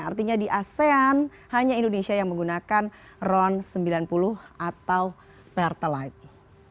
artinya di asean hanya indonesia yang menggunakan ron sembilan puluh atau pertalite